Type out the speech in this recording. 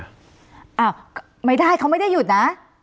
อ้าวไม่ได้เขาไม่ได้หยุดนะ